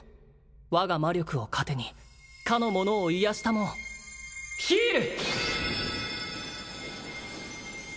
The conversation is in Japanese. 我が魔力を糧に彼のものを癒やし給うヒール！